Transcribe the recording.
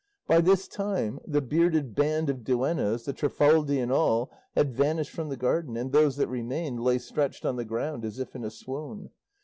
By this time the bearded band of duennas, the Trifaldi and all, had vanished from the garden, and those that remained lay stretched on the ground as if in a swoon.